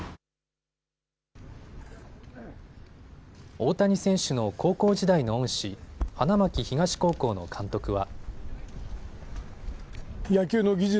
大谷選手の高校時代の恩師、花巻東高校の監督は。